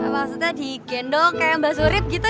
maksudnya digendong kayak mbak surip gitu